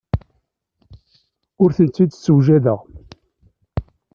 Ur tent-id-ssewjadeɣ.